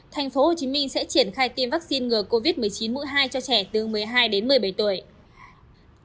triển khai tiêm vaccine ngừa covid một mươi chín mũi hai cho trẻ từ một mươi hai đến một mươi bảy tuổi